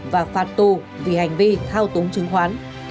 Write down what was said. và phạt tù vì hành vi thao túng chứng khoán